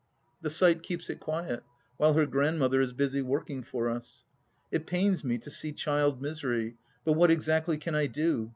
The sight keeps it quiet, while her grand mother is busy working for us. It pains me to see child misery, but what exactly can I do